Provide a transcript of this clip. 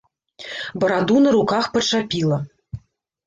Бараду на руках пачапіла.